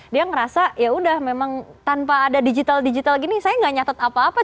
dia ngerasa yaudah memang tanpa ada digital digital gini saya gak nyatet apa apa